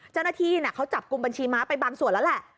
เจ้าหน้าที่เขาจับกลุ่มบัญชีม้าไปบางส่วนแล้วแหละ